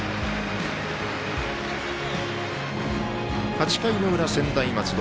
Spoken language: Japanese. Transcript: ８回の裏、専大松戸。